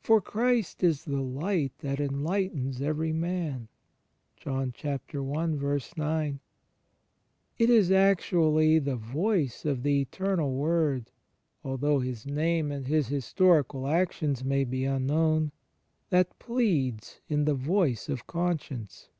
For Christ is the Light that enlightens every man.^ It is actually the Voice of the Eternal Word, although His Name and His historical actions may be imknown, that pleads in the voice of conscience.